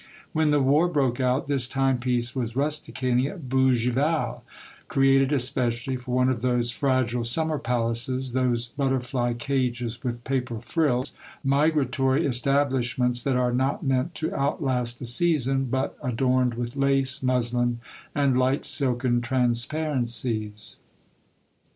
When the war broke out, this timepiece was rusticating at Bougival, created especially for one of those fragile summer palaces, those butterfly cages, with paper frills, — migratory establishments that are not meant to outlast a season, but adorned with lace, muslin, and light silken transparencies.